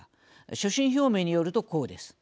所信表明によると、こうです。